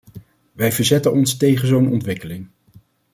Wij verzetten ons tegen zo'n ontwikkeling.